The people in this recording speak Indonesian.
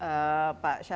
terima kasih pak